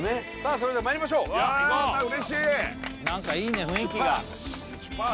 それではまいりましょうわー嬉しい何かいいね雰囲気が出発！